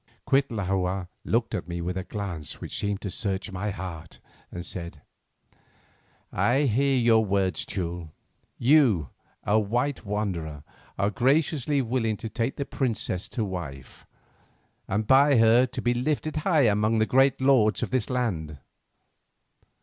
Cuitlahua looked at me with a glance which seemed to search my heart and said: "I hear your words, Teule. You, a white wanderer, are graciously willing to take this princess to wife, and by her to be lifted high among the great lords of this land.